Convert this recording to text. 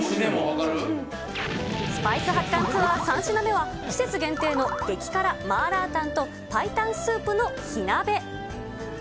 スパイス発汗ツアー３品目は、季節限定の激辛麻辣湯と白湯スープの火鍋。